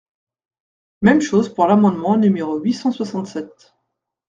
Même chose pour l’amendement numéro huit cent soixante-sept.